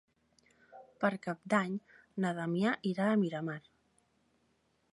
Per Cap d'Any na Damià irà a Miramar.